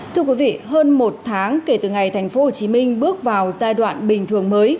thưa quý vị hơn một tháng kể từ ngày tp hcm bước vào giai đoạn bình thường mới